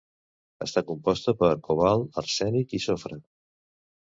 Està composta per cobalt, arsènic i sofre.